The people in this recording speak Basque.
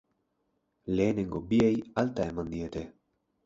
Lehenengo biei alta eman diete.